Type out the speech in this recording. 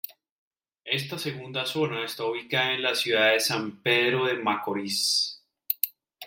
Esta segunda zona está ubicada en la ciudad de San Pedro de Macorís.